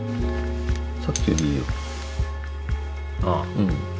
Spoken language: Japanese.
ああ。